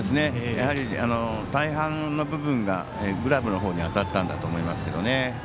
やはり大半の部分がグラブの方に当たったんだと思いますけどね。